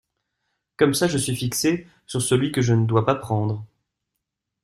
Comme ça je suis fixée sur celui que je ne dois pas prendre !